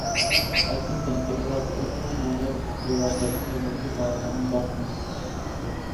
Այսինքն էկզարխությունն ուներ և արտաքին և ներքին բավականին բարդ խնդիրներ։